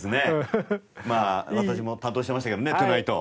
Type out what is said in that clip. まあ私も担当してましたけどね『トゥナイト』。